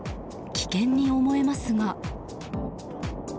危険に思えますが。